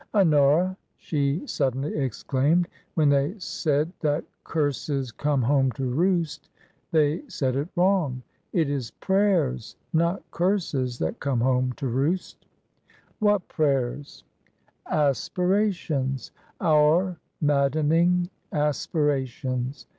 " Honora," she suddenly exclaimed, "when they said that * Curses come home to roost,' they said it wrong. It is prayers, not curses, that come home to roost' " What prayers ?' 232 TRANSITION. "Aspirations — our maddening aspirations